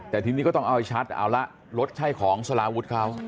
แต่ทีนี้ก็ต้องเอาให้ชัดเอาละรถใช่ของสลาวุฒิเขา